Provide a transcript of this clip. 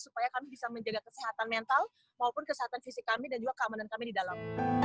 supaya kami bisa menjaga kesehatan mental maupun kesehatan fisik kami dan juga keamanan kami di dalam